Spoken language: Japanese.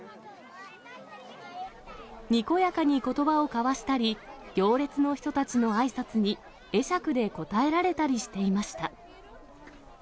にこやかにことばを交わしたり、行列の人たちのあいさつに、会釈で応えられたりしていました。